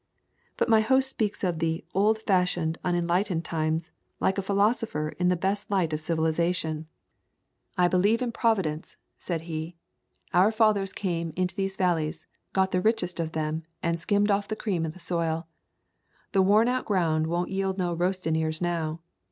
But my host speaks of the "old fashioned unenlightened times," like a phi losopher in the best light of civilization. "I [ 37] A Thousand Mile Walk believe in Providence," said he. "Our fathers came into these valleys, got the richest of them, and skimmed off the cream of the soil. The worn out ground won't yield no roastin' ears now.